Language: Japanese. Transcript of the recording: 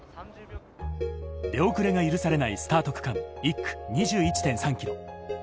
出遅れが許されないスタート区間１区２１．３ｋｍ。